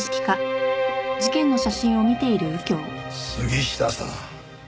杉下さん